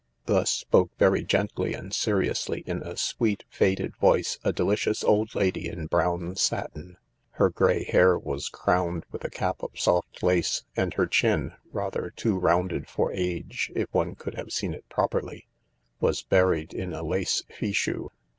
Thus spoke very gently and seriously, in a sweet, faded voice, a delicious old lady in brown satin. Her grey hair was crowned with a cap of soft lace, and her chin — rather too rounded for age, if one could have seen it properly — was buried in a lace fichu.